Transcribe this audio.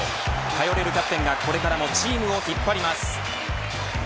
頼れるキャプテンが、これからもチームを引っ張ります。